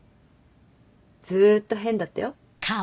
ずっと変だったよ。